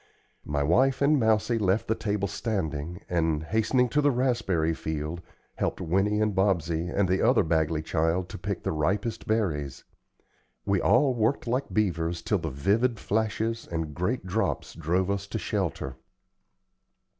My wife and Mousie left the table standing, and, hastening to the raspberry field, helped Winnie and Bobsey and the other Bagley child to pick the ripest berries. We all worked like beavers till the vivid flashes and great drops drove us to shelter.